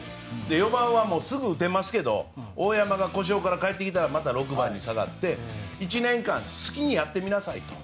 ４番はすぐに打てますけど大山が故障から帰ってきたらまた６番に下がって１年間好きにやってみなさいと。